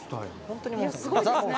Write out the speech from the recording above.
すごいですね。